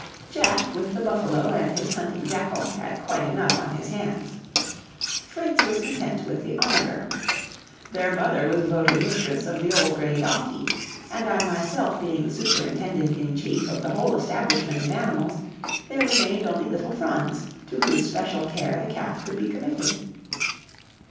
Jack, with the buffalo and his hunting jackal, had quite enough on his hands. Fritz was content with the onager. Their mother was voted mistress of the old gray donkey. And I myself being superintendent in chief of the whole establishment of animals, there remained only little Franz to whose special care the calf could be committed.